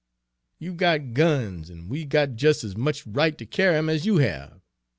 You've got guns, an' we've got jest as much right ter carry 'em as you have.